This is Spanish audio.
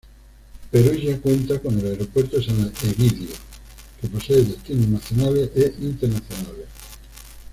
Perugia cuenta con el Aeropuerto de San Egidio, que posee destinos nacionales e internacionales.